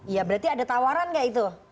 ya berarti ada tawaran nggak itu